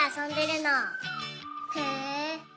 へえ。